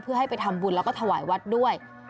เพื่อให้ไปทำบุญแล้วก็ถวายวัดด้วย